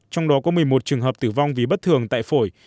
trong đó có một mươi một trường hợp tử vong vì bất thường tại phổi